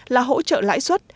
là hỗ trợ lãi suất